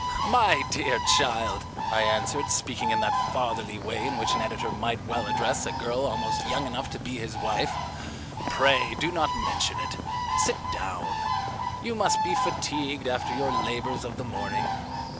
"My dear child," I answered, speaking in that fatherly way in which an editor might well address a girl almost young enough to be his wife, "pray do not mention it. Sit down. You must be fatigued after your labours of the morning.